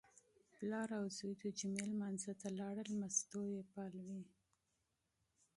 پلار او زوی د جمعې لمانځه ته لاړل، مستو یې پالوې.